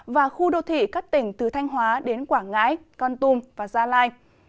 và khu đô thị các tỉnh từ thanh hóa đến quảng ngãi con tum và gia lai